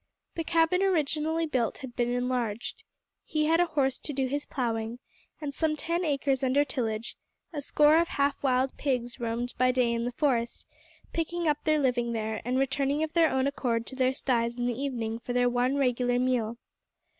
The cabin originally built had been enlarged. He had a horse to do his ploughing, and some ten acres under tillage; a score of half wild pigs roamed by day in the forest, picking up their living there, and returning of their own accord to their sties in the evening for their one regular meal.